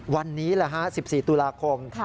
วันนี้แหละฮะ๑๔ตุลาคม